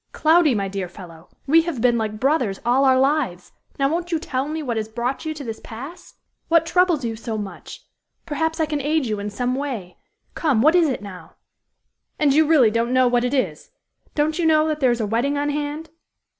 "Cloudy, my dear fellow, we have been like brothers all our lives; now won't you tell me what has brought you to this pass? What troubles you so much? Perhaps I can aid you in some way. Come, what is it now?" "And you really don't know what it is? Don't you know that there is a wedding on hand?"